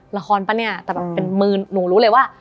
ละครปะเนี่ยแต่เป็นมือหนูรู้เลยว่า